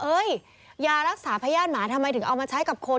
ยารักษาพญาติหมาทำไมถึงเอามาใช้กับคน